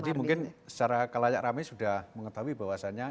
tadi mungkin secara kelayak rame sudah mengetahui bahwasannya